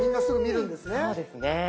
そうですね。